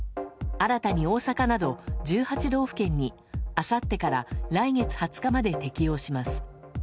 新たに大阪など１８道府県にあさってから来月２０日まで適用します。